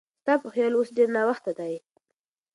ستا په خیال اوس ډېر ناوخته دی؟